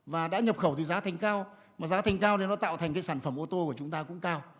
và đã nhập khẩu thì giá thành cao mà giá thành cao nên nó tạo thành cái sản phẩm ô tô của chúng ta cũng cao